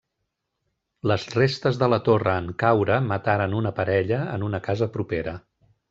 Les restes de la torre en caure mataren una parella en una casa propera.